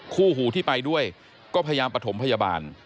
คู่หูที่ไปด้วยก็พยายามประถมพยาบาล